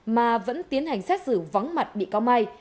mà vẫn tiến hành xét xử vắng mặt bị cáo mai